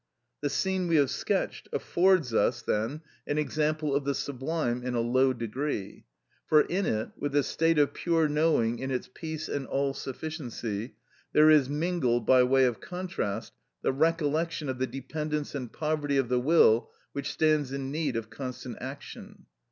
The scene we have sketched affords us, then, an example of the sublime in a low degree, for in it, with the state of pure knowing in its peace and all sufficiency, there is mingled, by way of contrast, the recollection of the dependence and poverty of the will which stands in need of constant action.